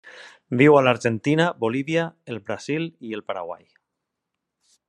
Viu a l'Argentina, Bolívia, el Brasil i el Paraguai.